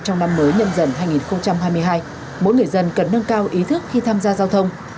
trong năm mới nhâm dần hai nghìn hai mươi hai mỗi người dân cần nâng cao ý thức khi tham gia giao thông